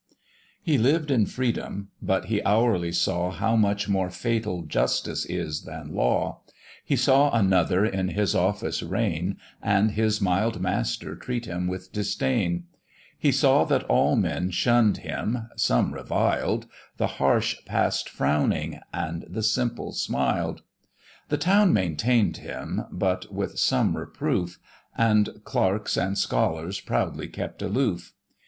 He lived in freedom, but he hourly saw How much more fatal justice is than law; He saw another in his office reign, And his mild master treat him with disdain: He saw that all men shunn'd him, some reviled, The harsh pass'd frowning, and the simple smiled; The town maintain'd him, but with some reproof, And clerks and scholars proudly kept aloof.